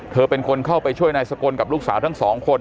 เธอเป็นคนเข้าไปช่วยนายสกลกับลูกสาวทั้งสองคน